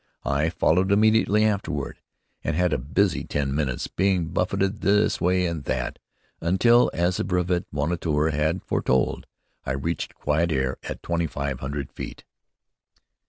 I followed immediately afterward, and had a busy ten minutes, being buffeted this way and that, until, as the brevet moniteur had foretold, I reached quiet air at twenty five hundred feet.